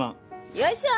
よいしょ！